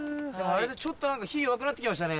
ちょっと火弱くなって来ましたね。